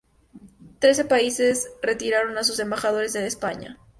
Trece países retiraron a sus embajadores de España.